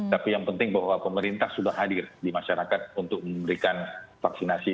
tapi yang penting bahwa pemerintah sudah hadir di masyarakat untuk memberikan vaksinasi